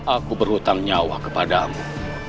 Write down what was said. aku berhutang nyawa kepadamu